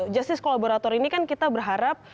justice kolaborator ini kan kita berharap